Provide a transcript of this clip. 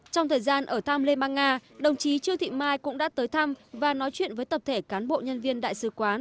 trong thời gian ở thăm liên bang nga đồng chí trương thị mai cũng đã tới thăm và nói chuyện với tập thể cán bộ nhân viên đại sứ quán